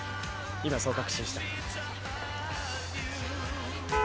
今そう確信した。